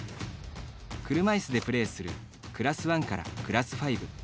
車いすでプレーするクラス１から、クラス５。